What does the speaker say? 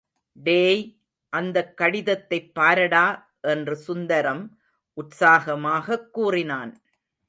டேய், அந்தக் கடிதத்தைப் பாரடா என்று சுந்தரம் உற்சாகமாகக் கூறினான்.